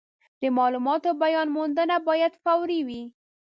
د مالوماتو بیاموندنه باید فوري وي.